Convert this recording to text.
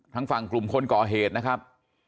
ทางฝั่งกลุ่มคนก่อเหตุนะครับ